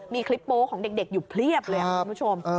มีคลิปโป๊ของเด็กอยู่เพียบเลยคุณผู้ชม